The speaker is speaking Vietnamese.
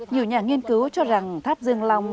nhiều nhà nghiên cứu cho rằng tháp dương long